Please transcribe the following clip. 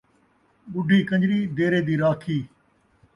ٻُڈھی کن٘ڄری دیرے دی راکھی